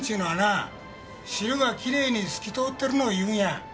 あ汁がきれいに透き通ってるのを言うんや。